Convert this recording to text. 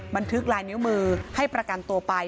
บันทึกลายนิ้วมือให้ประกันตัวไป